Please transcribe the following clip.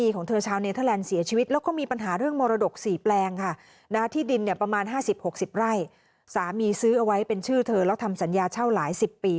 เขาผ่านไว้เป็นชื่อเธอแล้วทำศันยาเช่าหลาย๑๐ปี